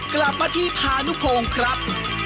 กลับมาที่พานุพงศ์ครับ